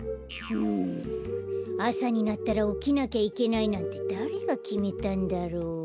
んあさになったらおきなきゃいけないなんてだれがきめたんだろう。